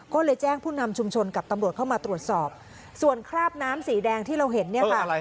ก็เลยแจ้งผู้นำชุมชนกับตำรวจเข้ามาตรวจสอบส่วนคราบน้ำสีแดงที่เราเห็นเนี่ยค่ะ